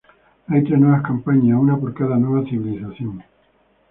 Hay tres nuevas campañas, una por cada nueva civilización.